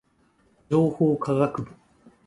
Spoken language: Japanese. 情報科学部